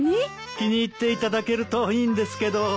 気に入っていただけるといいんですけど。